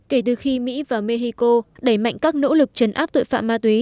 kể từ khi mỹ và mexico đẩy mạnh các nỗ lực trấn áp tội phạm